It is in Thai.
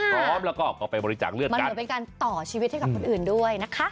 พร้อมแล้วก็ไปบริจาคเลือดมันเหมือนเป็นการต่อชีวิตให้กับคนอื่นด้วยนะคะ